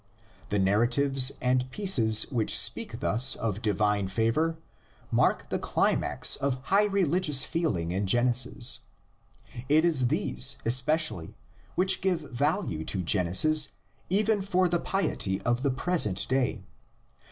The narratives and pieces which speak thus of divine favor mark the climax of high religious feeling in Genesis; it is THE LEGENDS IN ORAL TRADITION. 109 these especially which give value to Genesis even for the piety of the present day.